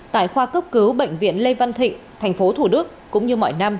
tại khoa cấp cứu bệnh viện lê văn thịnh tp thủ đức cũng như mọi năm